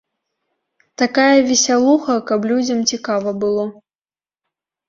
Такая весялуха, каб людзям цікава было.